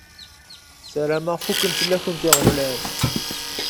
Sarameɣ fukken fell-akent iɣeblan.